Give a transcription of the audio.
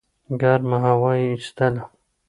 ګرمه هوا یې ایستله.